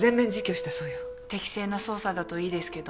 適正な捜査だといいですけど。